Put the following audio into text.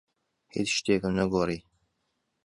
هیچ شتێکم نەگۆڕی.